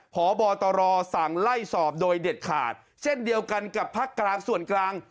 พบตรสั่งไล่สอบโดยเด็ดขาดเช่นเดียวกันกับภาคกลางส่วนกลาง